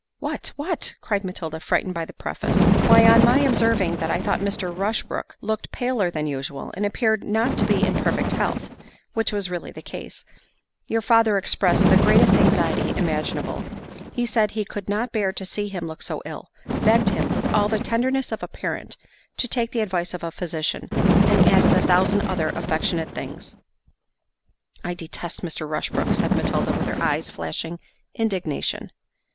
"What? what?" cried Matilda, frightened by the preface. "Why, on my observing that I thought Mr. Rushbrook looked paler than usual, and appeared not to be in perfect health, (which was really the case) your father expressed the greatest anxiety imaginable; he said he could not bear to see him look so ill, begged him, with all the tenderness of a parent, to take the advice of a physician, and added a thousand other affectionate things." "I detest Mr. Rushbrook," said Matilda, with her eyes flashing indignation.